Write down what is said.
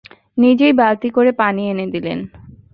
নিজেই বালতি করে পানি এনে দিলেন।